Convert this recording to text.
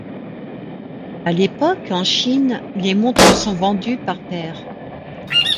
À l'époque, en Chine, les montres sont vendues par paire.